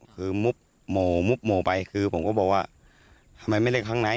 คือโมโมโมโมไปคือผมก็บอกว่าทำไมไม่ได้ข้างใน